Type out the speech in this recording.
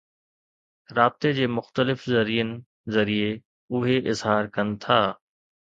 رابطي جي مختلف ذريعن ذريعي، اهي اظهار ڪن ٿا.